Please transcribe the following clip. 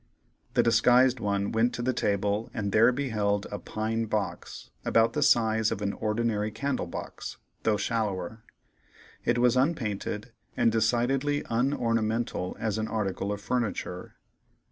The disguised one went to the table and there beheld a pine box, about the size of an ordinary candle box, though shallower; it was unpainted, and decidedly unornamental as an article of furniture.